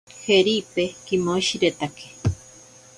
Jeripe kimoshiretake.